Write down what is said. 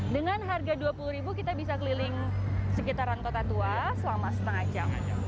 dengan harga rp dua puluh kita bisa keliling sekitaran kota tua selama setengah jam